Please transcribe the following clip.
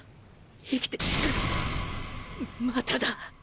生きてうっまただ